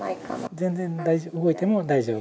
全然動いても大丈夫？